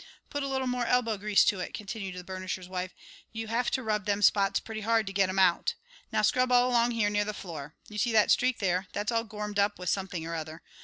"Put a little more elbow grease to it," continued the burnisher's wife. "You have to rub them spots pretty hard to get 'em out. Now scrub all along here near the floor. You see that streak there that's all gormed up with something or other.